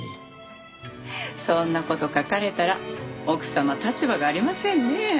そんな事書かれたら奥様立場がありませんね。